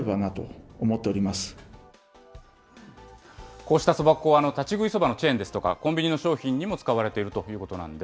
こうしたそば粉は、立ち食いそばのチェーンですとか、コンビニの商品にも使われているということなんです。